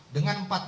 dengan empat titik